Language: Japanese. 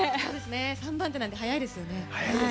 ３番手なんで早いですよね。